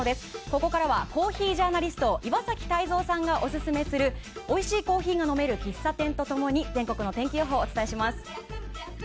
ここからはコーヒージャーナリスト岩崎泰三さんがオススメするおいしいコーヒーが飲める喫茶店と共に全国の天気予報お伝えします。